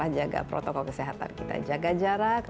jaga protokol kesehatan kita jaga jarak